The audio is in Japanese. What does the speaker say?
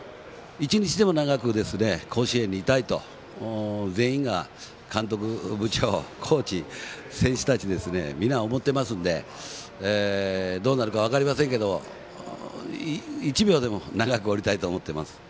１日でも長く甲子園にいたいと全員が、監督部長、コーチ、選手たち皆、思ってますのでどうなるか分かりませんけど１秒でも長くおりたいと思っています。